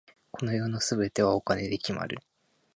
この世の全てはお金で決まる。